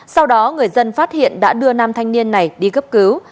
sau đó người dân phát hiện đã đưa nam thanh niên này đi cấp cứu